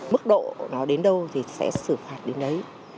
mức độ nó đến đâu thì sẽ xử phạt đến đấy